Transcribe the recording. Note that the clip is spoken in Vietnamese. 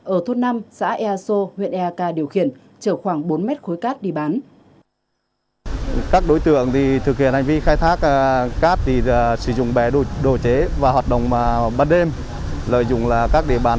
ở thốt năm xã erso huyện erka điều khiển chở khoảng bốn m khối cát đi bán